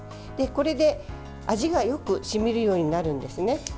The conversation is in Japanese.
これで味がよく染みるようになるんですね。